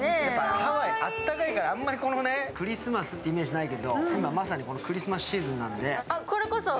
ハワイ、あったかいからあんまりクリスマスってイメージないけど今まさにクリスマスシーズンなので。